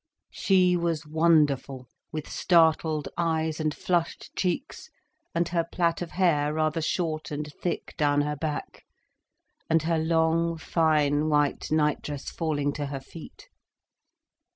She was wonderful, with startled eyes and flushed cheeks, and her plait of hair rather short and thick down her back, and her long, fine white night dress falling to her feet.